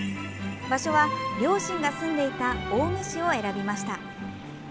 場所は、両親が住んでいた青梅市を選びました。